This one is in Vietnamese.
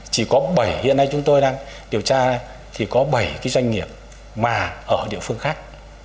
chỉ có bảy hiện nay chúng tôi đang điều tra thì có bảy cái doanh nghiệp mà ở địa phương khác